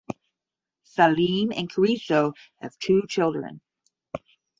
Salim and Carrizo have two children.